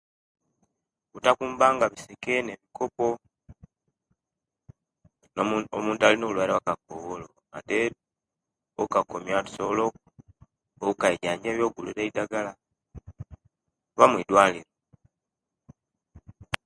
Butakumbanga biseke na bikopo nomuntu alina obulwaire owa kakoolo ate okakomiya tusubola okagulira eidagala oba muidwaliro